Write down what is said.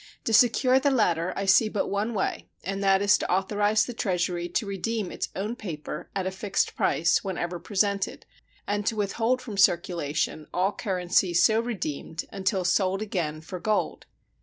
To secure the latter I see but one way, and that is to authorize the Treasury to redeem its own paper, at a fixed price, whenever presented, and to withhold from circulation all currency so redeemed until sold again for gold.